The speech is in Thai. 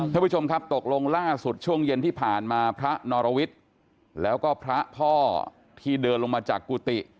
ท่านผู้ชมครับตกลงล่าสุดช่วงเย็นที่ผ่านมาพระนรวิทย์แล้วก็พระพ่อที่เดินลงมาจากกุฏิ